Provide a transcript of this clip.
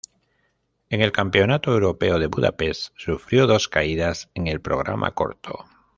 En el Campeonato Europeo de Budapest sufrió dos caídas en el programa corto.